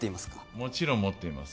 もちろん持っています